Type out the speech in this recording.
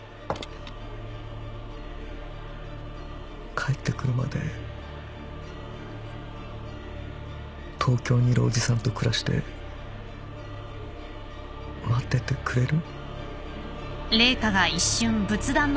帰ってくるまで東京にいるおじさんと暮らして待っててくれる？